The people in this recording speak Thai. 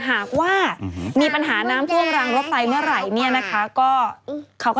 หากว่ามีปัญหาน้ำกว้วงรังรถไฟเมื่อไหร่ก็